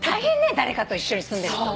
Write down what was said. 誰かと一緒に住んでる人。